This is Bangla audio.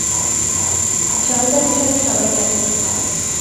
সাবিতার বিষয়টা সবাই জানে।